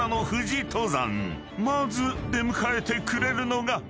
［まず出迎えてくれるのが］